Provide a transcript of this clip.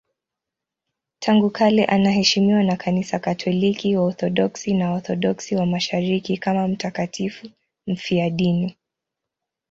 Tangu kale anaheshimiwa na Kanisa Katoliki, Waorthodoksi na Waorthodoksi wa Mashariki kama mtakatifu mfiadini.